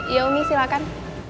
iya umi silahkan